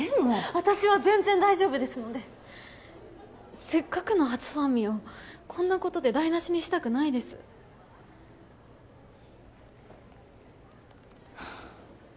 私は全然大丈夫ですのでせっかくの初ファンミをこんなことで台なしにしたくないですハァ